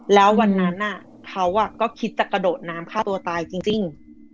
แล้ววันนั้นเขาก็คิดจะกระโดดน้ำฆ่าตัวตายจริง